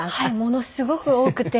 ものすごく多くて。